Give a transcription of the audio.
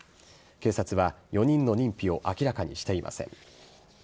警察は４人の認否を明らかにしていません。